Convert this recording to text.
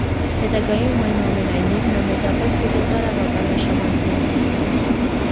Հետագայում, այնուամենայնիվ, նա մեծապես տուժեց արաբական արշավանքներից։